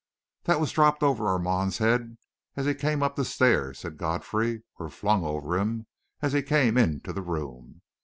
"That was dropped over Armand's head as he came up the stairs," said Godfrey, "or flung over him as he came into the room.